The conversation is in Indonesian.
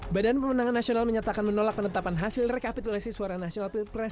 badan pemenangan nasional menyatakan menolak penetapan hasil rekapitulasi suara nasional pilpres